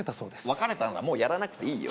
別れたならもうやらなくていいよ